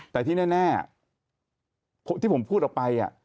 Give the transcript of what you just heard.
แต่ที่แน่ที่ผมพูดออกไป